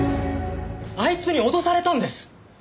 あいつに脅されたんです！